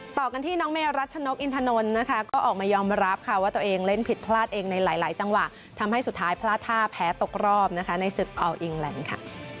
ต่อกันที่น้องเมรัชนกอินทนนท์นะคะก็ออกมายอมรับค่ะว่าตัวเองเล่นผิดพลาดเองในหลายจังหวะทำให้สุดท้ายพลาดท่าแพ้ตกรอบนะคะในศึกอัลอิงแลนด์ค่ะ